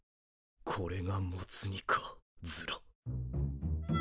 これがモツ煮かズラ。